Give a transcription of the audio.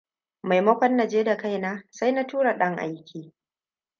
Maimakon na je da kaina, sai na tura dan aike.